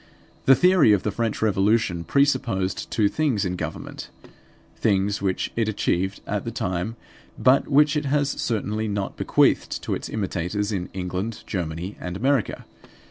The theory of the French Revolution presupposed two things in government, things which it achieved at the time, but which it has certainly not bequeathed to its imitators in England, Germany, and America.